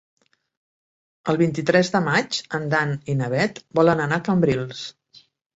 El vint-i-tres de maig en Dan i na Bet volen anar a Cambrils.